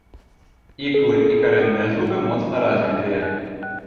Іклы і карэнныя зубы моцна развітыя.